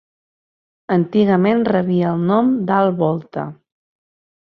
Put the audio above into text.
Antigament rebia el nom d'Alt Volta.